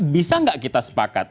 bisa gak kita sepakat